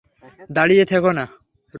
দাঁড়িয়ে থেকো না!